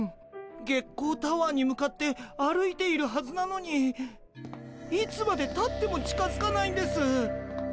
月光タワーに向かって歩いているはずなのにいつまでたっても近づかないんです。